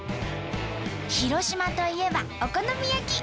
広島といえばお好み焼き！